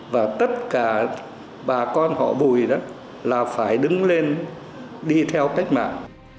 và tất cả bà con họ bùi đó là phải đứng lên đi theo cách mạng